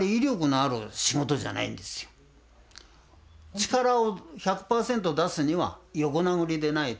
力を１００％出すには横殴りでないと。